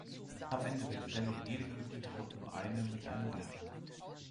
Am Ende wird dennoch jede glücklich, doch nur eine mit einem Mann.